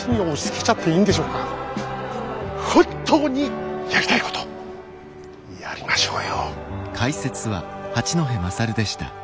本当にやりたいことやりましょうよ。